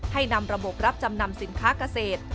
ให้นำระบบรับจำนำสินค้าเกษตร